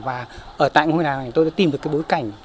và ở tại ngôi nhà này tôi đã tìm được cái bối cảnh